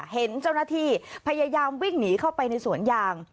เห็นเจ้าหน้าที่พยายามวิ่งหนีเข้าไปในสวนยาง